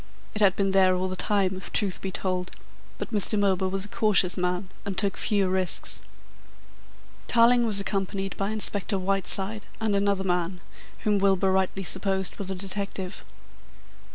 It had been there all the time, if the truth be told, but Mr. Milburgh was a cautious man and took few risks. Tarling was accompanied by Inspector Whiteside and another man, whom Milburgh rightly supposed was a detective.